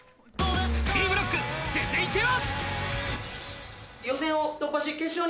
Ｂブロック、続いては。